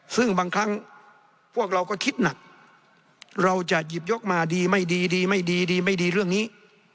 ซึ่งบางครั้งพวกเราก็คิดหนักเราจะหยิบยกมาดีไม่ดีดีไม่ดีดีไม่ดีเรื่องนี้